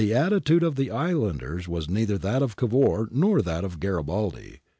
The attitude of the islanders was neither that of Cavour nor that of Gari baldi.